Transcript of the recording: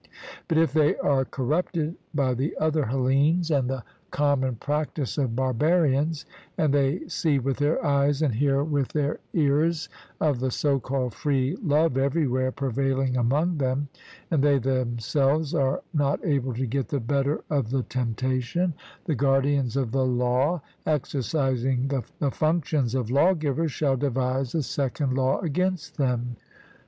But if they are corrupted by the other Hellenes and the common practice of barbarians, and they see with their eyes and hear with their ears of the so called free love everywhere prevailing among them, and they themselves are not able to get the better of the temptation, the guardians of the law, exercising the functions of lawgivers, shall devise a second law against them.